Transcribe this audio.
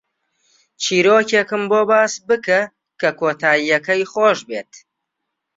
چیرۆکێکم بۆ باس بکە کە کۆتایییەکەی خۆش بێت.